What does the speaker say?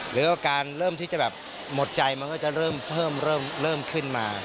หรือว่าการเริ่มที่จะแบบหมดใจมันก็จะเริ่มขึ้นมา